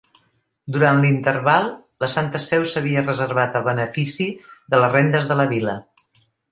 Durant l'interval, la santa Seu s'havia reservat el benefici de les rendes de la vila.